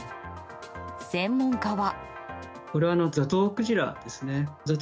専門家は。